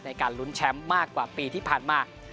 ในการลุ้นแชมป์มากกว่าปีที่ผ่านมา